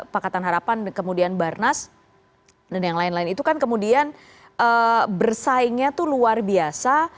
pakatan harapan kemudian barnas dan yang lain lain itu kan kemudian bersaingnya itu luar biasa